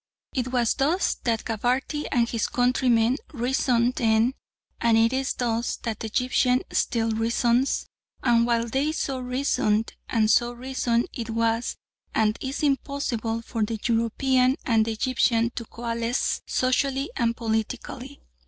It was thus that Gabarty and his countrymen reasoned then and it is thus that the Egyptian still reasons, and while they so reasoned and so reason it was and is impossible for the European and the Egyptian to coalesce socially or politically.